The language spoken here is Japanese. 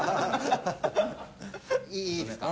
いいですか？